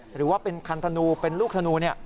หรือว่าเป็นคันธนูเป็นลูกธนู